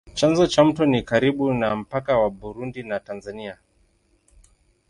Chanzo cha mto ni karibu na mpaka wa Burundi na Tanzania.